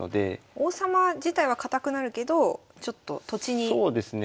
王様自体は堅くなるけどちょっと土地にそうですね。